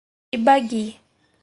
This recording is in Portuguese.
Tibagi